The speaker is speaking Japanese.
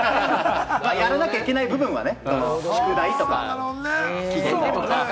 やらなきゃいけない部分はね、宿題とかね。